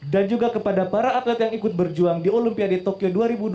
dan juga kepada para atlet yang ikut berjuang di olimpiade tokyo dua ribu dua puluh